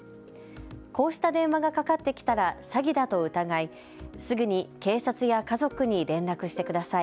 こうした電話がかかってきたら詐欺だと疑い、すぐに警察や家族に連絡してください。